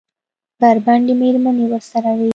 بربنډې مېرمنې ورسره وې؟